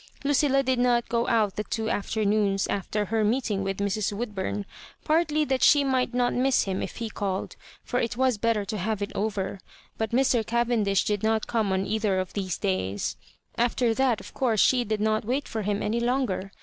Lucilla did not go out the two afternoons after her meeting with Mrs. Woodbum, partly that she might not miss him if he called — for it was better to have it over; but Mr. Cavendish did not come on either of these days. After that, of course, she did not wait for him any longer.